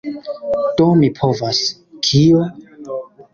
Do mi povas... kio?